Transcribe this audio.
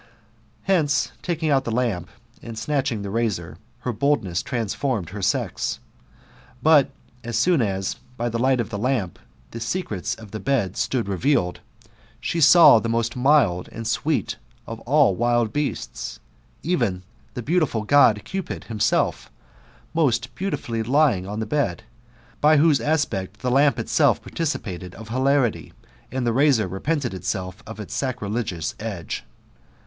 Hence, taking out the lamp, and snatching the razor, her boldness transformed her sex. But as soon as by the light of the lamp the secrets of the bed stood revealed, she saw the most mild and swieet of all wild beasts, even the beautiful Gdd Cupid himself, most beautifully lying on the bed ; by whose aspect the lamp itself participated of hilarity, and the razor repented itself of its sacrilegious edge.